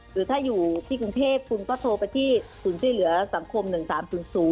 หรือถ้าอยู่ที่กรุงเทพคุณก็โทรไปที่ศูนย์ช่วยเหลือสังคม๑๓๐๐